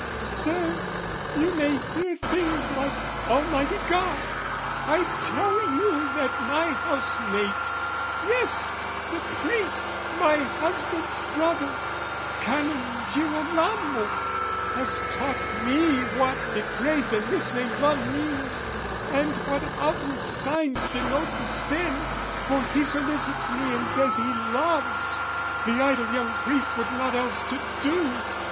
"Sir, you may hear things like almighty God. "I tell you that my housemate, yes the priest "My husband's brother, Canon Girolamo "Has taught me what depraved and misnamed love "Means, and what outward signs denote the sin, "For he solicits me and says he loves, "The idle young priest with nought else to do.